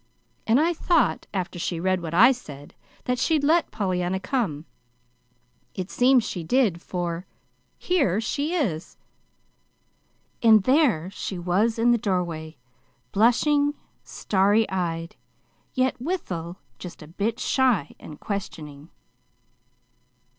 "And I thought after she read what I said, that she'd let Pollyanna come. It seems she did, for here she is." And there she was in the doorway, blushing, starry eyed, yet withal just a bit shy and questioning.